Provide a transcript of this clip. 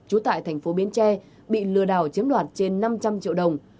chú tại thành phố biến tre bị lừa đảo chiếm đoạt trên năm trăm linh triệu đồng